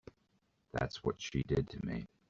That's what she did to me.